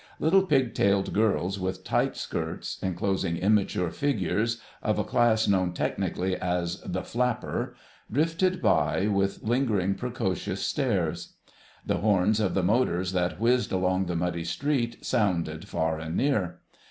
Little pigtailed girls with tight skirts enclosing immature figures, of a class known technically as the "Flapper," drifted by with lingering, precocious stares. The horns of the motors that whizzed along the muddy street sounded far and near.